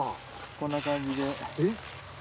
こんな感じで。